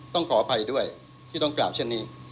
ขออภัยด้วยที่ต้องกล่าวเช่นนี้